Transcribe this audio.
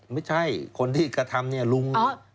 ไม่ใช่คนที่กระทำนี่ลุงอายุ๗๐